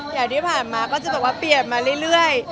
อย่างที่ผ่านมาก็จะแบบว่าเปลี่ยนมาเรื่อย